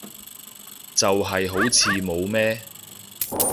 就係好似冇咩